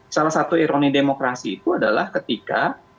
salah satu ironi demokrasi itu adalah ketika